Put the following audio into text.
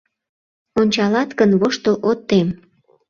Ончалат гын, воштыл от тем.